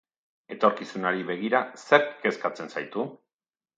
Etorkizunari begira, zerk kezkatzen zaitu?